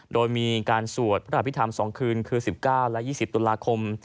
โดยมีการสวดพระอภิษฐรรม๒คืนคือ๑๙และ๒๐ตุลาคม